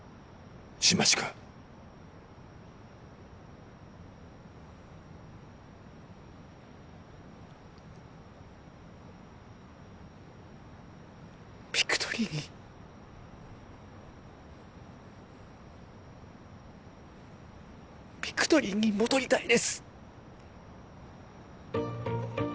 新町君ビクトリーにビクトリーに戻りたいです